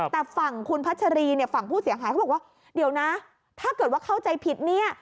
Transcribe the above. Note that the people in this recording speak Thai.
แต่ฝั่งคุณพัชรีเนี่ยฝั่งผู้เสียหายเขาบอกว่าเดี๋ยวนะถ้าเกิดว่าเข้าใจผิดเนี่ย